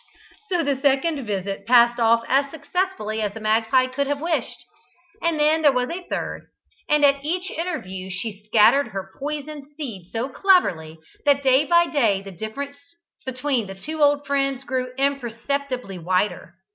So the second visit passed off as successfully as the magpie could have wished, and then there was a third, and at each interview she scattered her poisoned seed so cleverly, that day by day the difference between the two old friends grew imperceptibly wider.